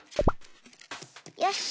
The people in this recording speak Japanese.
よし！